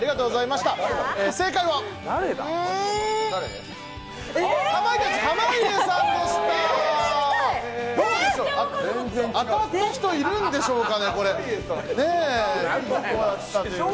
当たった人いるんでしょうかね。